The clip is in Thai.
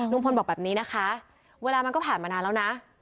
บอกแบบนี้นะคะเวลามันก็ผ่านมานานแล้วนะ